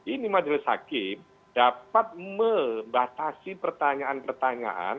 ini majelis hakim dapat membatasi pertanyaan pertanyaan